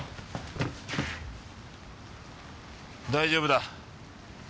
大丈夫だ。